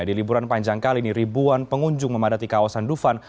di liburan panjang kali ini ribuan pengunjung memadati kawasan dufan